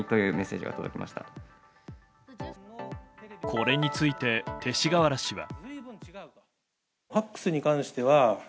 これについて勅使河原氏は。